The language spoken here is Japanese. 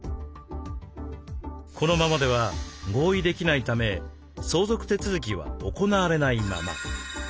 このままでは合意できないため相続手続きは行われないまま。